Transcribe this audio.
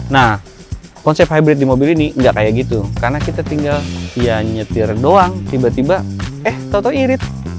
nah konsep hybrid di mobil ini nggak kayak gitu karena kita tinggal ya nyetir doang tiba tiba eh tau tau irit